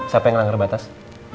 siapa yang langgar batas